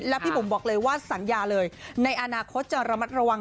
และบุ๋มบอกเลยว่าในอนาคตจะระมัดระวัง